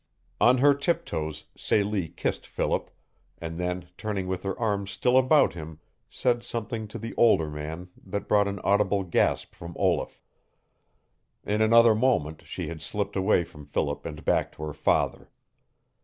On her tip toes Celie kissed Philip, and then turning with her arms still about him said something to the older man that brought an audible gasp from Olaf. In another moment she had slipped away from Philip and back to her father.